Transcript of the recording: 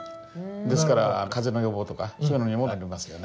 ですから風邪の予防とかそういうのにもなりますよね。